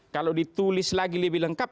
kalau ditulis lagi lebih lengkap